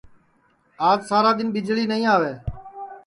آج سارا دؔن ٻِجݪی نائی آوے